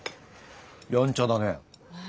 やんちゃだね。